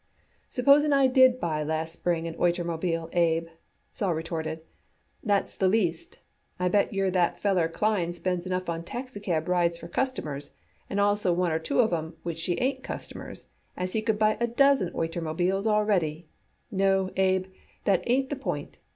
"Supposing I did buy last spring an oitermobile, Abe," Sol retorted. "That is the least. I bet yer that feller Klein spends enough on taxicab rides for customers, and also one or two of 'em which she ain't customers, as he could buy a dozen oitermobiles already. No, Abe, that ain't the point.